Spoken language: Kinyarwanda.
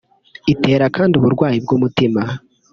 Itera kandi uburwayi bw’umutima